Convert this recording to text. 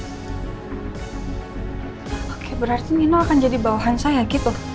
oke berarti mino akan jadi bawahan saya gitu